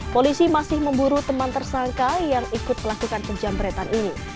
polisi masih memburu teman tersangka yang ikut melakukan penjamretan ini